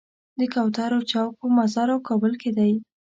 د کوترو چوک په مزار او کابل کې دی.